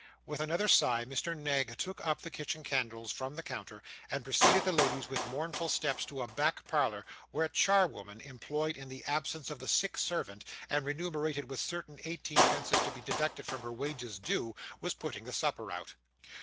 With another sigh Mr. Knag took up the kitchen candles from the counter, and preceded the ladies with mournful steps to a back parlour, where a charwoman, employed in the absence of the sick servant, and remunerated with certain eighteenpences to be deducted from her wages due, was putting the supper out.